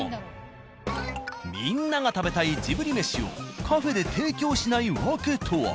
みんなが食べたいジブリ飯をカフェで提供しない訳とは？